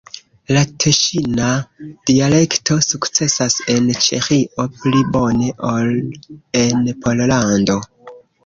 La teŝina dialekto sukcesas en Ĉeĥio pli bone ol en Pollando.